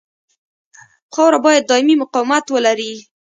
خاوره باید دایمي مقاومت ولري